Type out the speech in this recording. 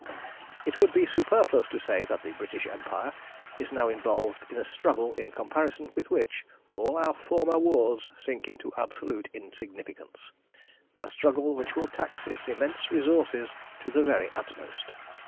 "It would be superfluous to say that the British Empire is now involved in a struggle in comparison with which all our former wars sink into absolute insignificance, a struggle which will tax its immense resources to the very utmost.